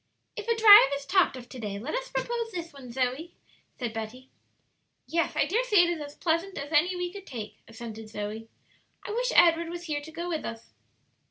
"If a drive is talked of to day, let us propose this one, Zoe," said Betty. "Yes; I dare say it is as pleasant as any we could take," assented Zoe. "I wish Edward was here to go with us."